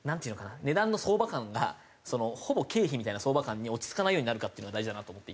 値段の相場観がほぼ経費みたいな相場観に落ち着かないようになるかっていうのが大事だなと思っていて。